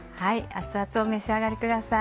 熱々をお召し上がりください。